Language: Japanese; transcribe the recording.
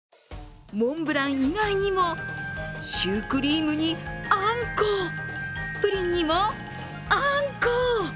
モンブラン以外にもシュークリームにあんこ、プリンにもあんこ。